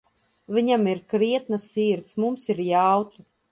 Viņam ir krietna sirds, mums ir jautri.